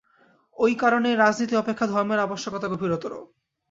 ঐ কারণেই রাজনীতি অপেক্ষা ধর্মের আবশ্যকতা গভীরতর।